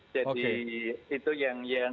jadi itu yang